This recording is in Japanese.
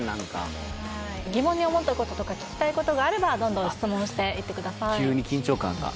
疑問に思ったこととか聞きたいことがあればどんどん質問していってください